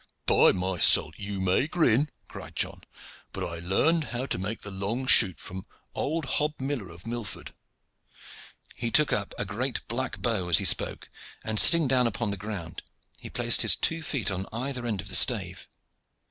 "By my soul! you may grin," cried John. "But I learned how to make the long shoot from old Hob Miller of Milford." He took up a great black bow, as he spoke, and sitting down upon the ground he placed his two feet on either end of the stave.